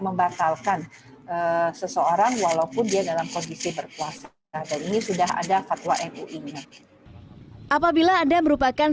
membatalkan seseorang walaupun dia dalam kondisi berpuasa dan ini sudah ada fatwa mui apabila anda merupakan